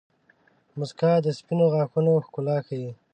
• مسکا د سپینو غاښونو ښکلا ښيي.